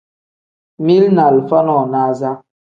Mili ni alifa nonaza.